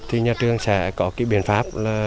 thì nhà trường sẽ có cái biện pháp là